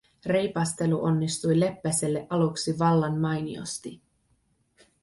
Reipastelu onnistui Leppäselle aluksi vallan mainiosti.